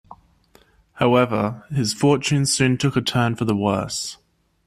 However his fortunes soon took a turn for the worse.